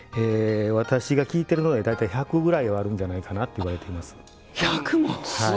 私が聞いているのが大体１００ぐらいはあるんじゃないかなといわれています。